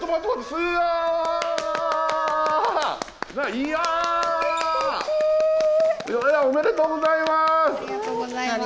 ステキ！おめでとうございます！